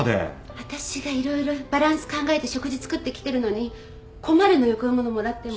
わたしがいろいろバランス考えて食事作ってきてるのに困るのよこういう物もらっても。